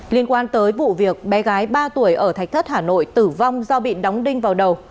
liên quan tới vụ việc bé gái ba tuổi ở thạch thất hà nội tử vong do bị đóng đinh vào đầu